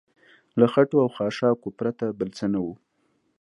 له خټو او خاشاکو پرته بل څه نه و.